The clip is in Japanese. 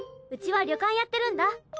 うちは旅館やってるんだ。